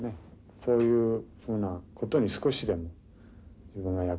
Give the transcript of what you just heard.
そういうふうなことに少しでも自分が役立てればいいと。